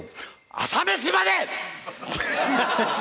『朝メシまで。』！